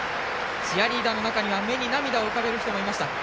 チアリーダーの中には目に涙を浮かべる人もいました。